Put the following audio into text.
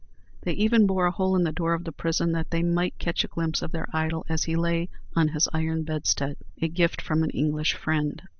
They even bored a hole in the door of the prison, that they might catch a glimpse of their idol, as he lay on his iron bedstead, a gift from an English friend.